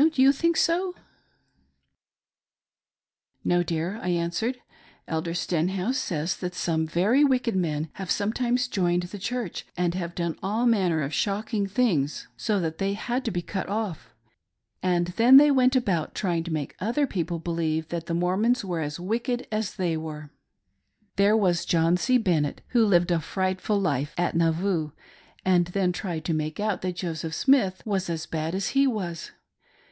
Don't you think so .'"" No, dear," I answered, " Elder Stenhouse says that some very wicked men have sometimes joined the Church, and have done all manner of shocking things, so that they had to DEPARTURE OF THE MISSIONARIES :— I AM LEFT ALONE. 99 be cut off, and then they went about trying to make other people believe that the Mormons were as wicked as they were. There was John C. Bennett who lived a frightful life at Nauvoo, and then tried to make out that Joseph Smith was as bad as he was.